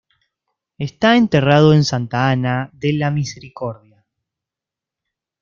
Está enterrado en Santa Anna della Misericordia.